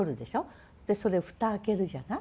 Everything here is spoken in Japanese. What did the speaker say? それ蓋開けるじゃない？